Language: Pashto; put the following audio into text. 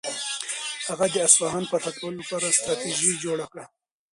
هغه د اصفهان فتح کولو لپاره ستراتیژي جوړه کړه.